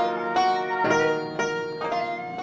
yang ini udah kecium